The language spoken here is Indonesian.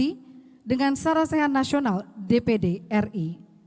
dan diikuti dengan sarasaya nasional dpr ri